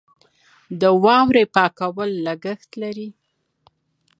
د واورې پاکول لګښت لري.